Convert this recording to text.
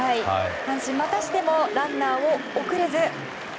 阪神、またしてもランナーを送れず。